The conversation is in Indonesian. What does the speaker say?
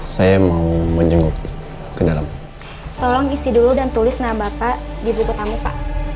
sampai jumpa di video selanjutnya